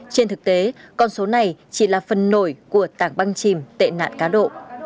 trên thực tế con số này chỉ là phần nổi của tảng băng chìm tệ nạn cá độ